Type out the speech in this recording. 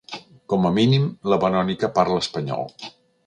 Com a mínim la Verònica parla espanyol.